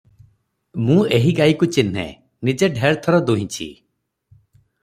ମୁଁ ଏହି ଗାଈକୁ ଚିହ୍ନେ, ନିଜେ ଢ଼େର ଥର ଦୁହିଁଛି ।